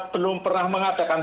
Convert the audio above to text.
belum pernah mengadakan